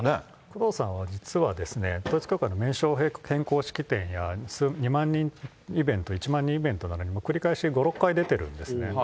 工藤さんは実はですね、統一教会の名称変更式典や２万人イベント、１万人イベントなど、繰り返し５、６回出てるんですね。